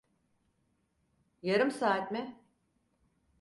Yarım saat mi?